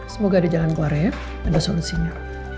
semoga ada jalan keluar ya